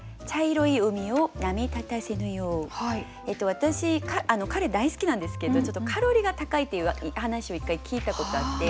私カレー大好きなんですけどちょっとカロリーが高いっていう話を１回聞いたことあって。